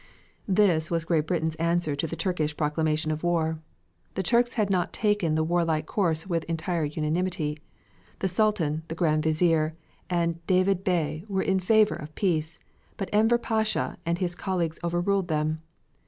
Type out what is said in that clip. This was Britain's answer to the Turkish proclamation of war. The Turks had not taken this warlike course with entire unanimity. The Sultan, the Grand Vizier, and Djavid Bey were in favor of peace, but Enver Pasha and his colleagues overruled them.